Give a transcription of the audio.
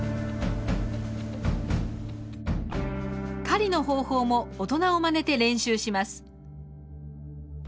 狩りの方法も大人をまねて練習します。